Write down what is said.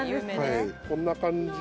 こんな感じ。